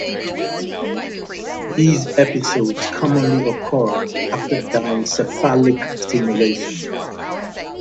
These episodes commonly occur after diencephalic stimulation.